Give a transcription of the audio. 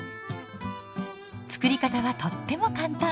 作り方はとっても簡単。